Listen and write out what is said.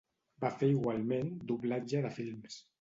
Va fer igualment doblatge de films.